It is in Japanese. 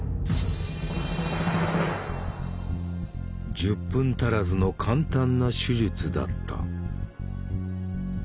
１０分足らずの簡単な手術だった。